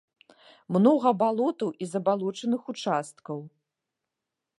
Многа балотаў і забалочаных участкаў.